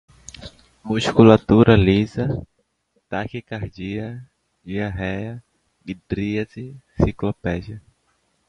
musculatura lisa, taquicardia, diarreia, midríase, ciclopegia